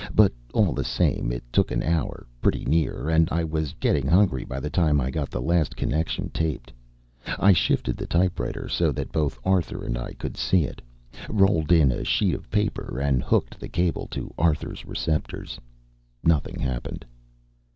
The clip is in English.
But all the same it took an hour, pretty near, and I was getting hungry by the time I got the last connection taped. I shifted the typewriter so that both Arthur and I could see it, rolled in a sheet of paper and hooked the cable to Arthur's receptors. Nothing happened.